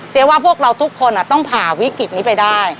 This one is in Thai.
ว่าพวกเราทุกคนต้องผ่าวิกฤตนี้ไปได้